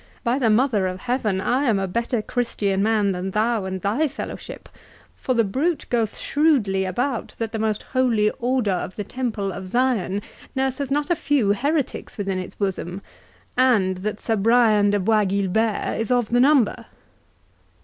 By the Mother of Heaven, I am a better Christian man than thou and thy fellowship; for the 'bruit' goeth shrewdly out, that the most holy Order of the Temple of Zion nurseth not a few heretics within its bosom, and that Sir Brian de Bois Guilbert is of the number."